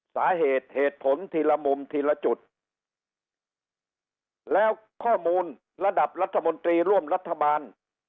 สาเหตุเหตุผลทีละมุมทีละจุดแล้วข้อมูลระดับรัฐมนตรีร่วมรัฐบาล